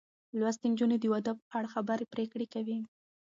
لوستې نجونې د واده په اړه خبرې پرېکړې کوي.